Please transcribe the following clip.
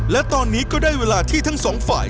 และตอนนี้ก็ได้เวลาที่ทั้งสองฝ่าย